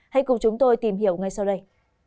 hãy cùng chúng tôi tìm hiểu ngay sau đây